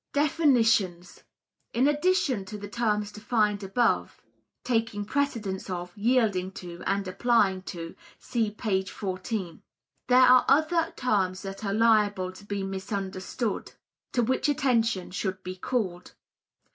Definitions. In addition to the terms defined above (taking precedence of, yielding to and applying to, see p. 14), there are other terms that are liable to be misunderstood, to which attention should he called.